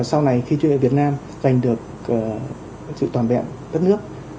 sau này khi triều tiên và việt nam giành được sự toàn bẹn đất nước